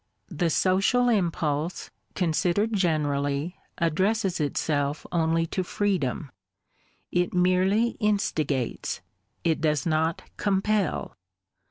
The social impulse, considered generally, addresses itself only to freedom; it merely instigates, — it does not compel.